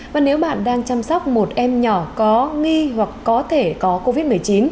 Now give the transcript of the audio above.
và nếu bạn đang chăm sóc một em nhỏ có nghi hoặc có thể có covid một mươi chín